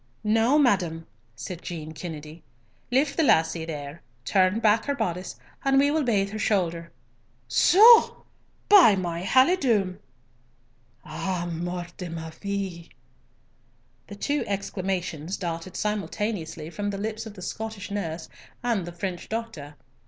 "Now, madam," said Jean Kennedy, "lift the lassie, there, turn back her boddice, and we will bathe her shouther. So! By my halidome!" "Ah! Mort de ma vie!" The two exclamations darted simultaneously from the lips of the Scottish nurse and the French doctor.